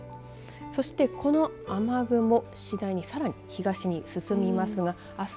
そして、この雨雲次第にさらに東に進みます。